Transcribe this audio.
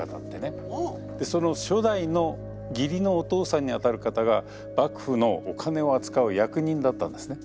その初代の義理のお父さんにあたる方が幕府のお金を扱う役人だったんですね。